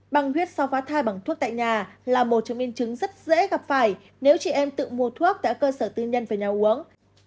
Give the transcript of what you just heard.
băng huyết sau phát thai bằng thuốc tại nhà là một trong minh chứng rất dễ gặp phải nếu chị em tự mua thuốc tại cơ sở tư nhân về nhà uống